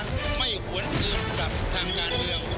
ไม่หวนอื่นกลับทางงานเดียว